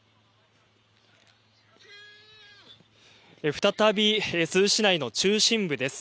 再び珠洲市内の中心部です。